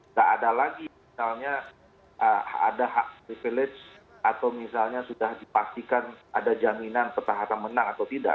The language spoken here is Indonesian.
nggak ada lagi misalnya ada hak privilege atau misalnya sudah dipastikan ada jaminan petahana menang atau tidak